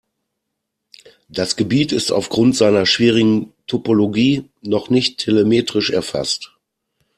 Das Gebiet ist aufgrund seiner schwierigen Topologie noch nicht telemetrisch erfasst.